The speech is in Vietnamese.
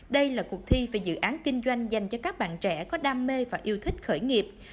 đây là cuộc thi về dự án kinh doanh dành cho các bạn trẻ có đam mê và yêu thích khởi nghiệp